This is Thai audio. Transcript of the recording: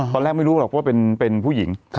ตอนแรกไม่รู้หรอกว่าเป็นผู้หญิง